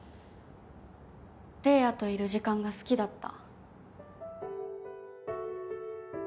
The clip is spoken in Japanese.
玲矢といる時間が好きだった。